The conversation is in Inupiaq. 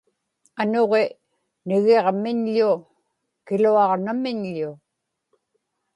anuġi nigiġmiñḷu kiluagnamiñḷu